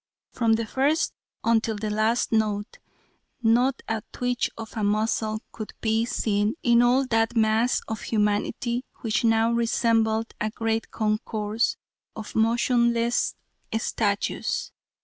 From the first until the last note not a twitch of a muscle could be seen in all that mass of humanity, which now resembled a great concourse of motionless statues.